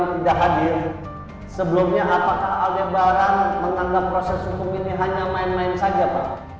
tidak hadir sebelumnya apakah aldebaran menganggap proses hukum ini hanya main main saja pak